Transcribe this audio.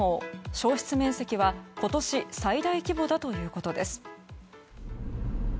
焼失面積は今年最大規模だということです。